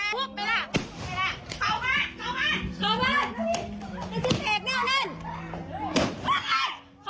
คุณไต้นะน่าจะดีอย่างหรอก